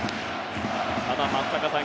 ただ、松坂さん